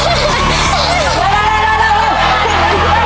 ติดละครับ